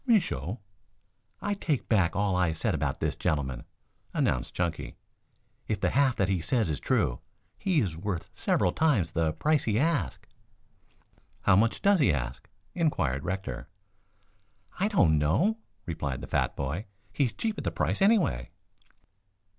"Me show." "I take back all I said about this gentleman," announced Chunky. "If the half that he says is true, he is worth several times the price he asks." "How much does he ask?" inquired Rector. "I don't know," replied the fat boy. "He's cheap at the price, anyway."